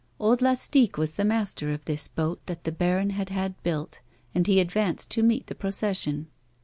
Old Lastique was the master of this boat that the baron had had built, and he advanced to meet the procession.